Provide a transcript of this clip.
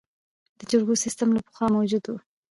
د جرګو سیسټم له پخوا موجود و